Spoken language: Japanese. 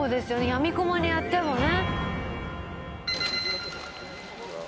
やみくもにやってもね。